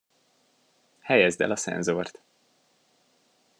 Helyezd el a szenzort.